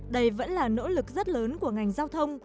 đây vẫn là nỗ lực rất lớn của ngành giao thông